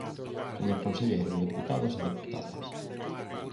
Señor conselleiro, deputados e deputadas.